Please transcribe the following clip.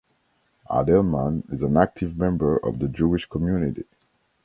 Adelman is an active member of the Jewish community.